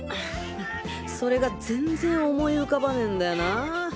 それが全然思い浮かばねんだよな。